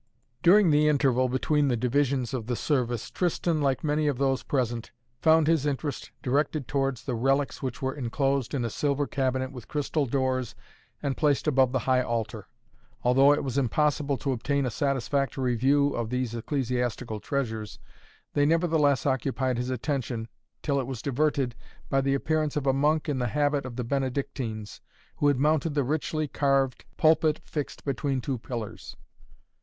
During the interval between the divisions of the service, Tristan, like many of those present, found his interest directed towards the relics, which were inclosed in a silver cabinet with crystal doors and placed above the high altar. Although it was impossible to obtain a satisfactory view of these ecclesiastical treasures, they nevertheless occupied his attention till it was diverted by the appearance of a monk in the habit of the Benedictines, who had mounted the richly carved pulpit fixed between two pillars.